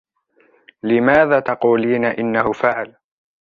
لماذا تقولين إنه فعل ؟